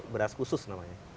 beras khusus namanya